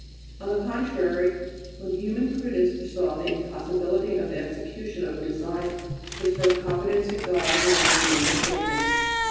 On the contrary, when human prudence foresaw the impossibility of the execution of a design his firm confidence in God alone remained unshaken.